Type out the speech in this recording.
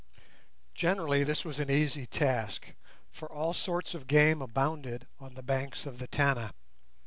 Generally this was an easy task, for all sorts of game abounded on the banks of the Tana.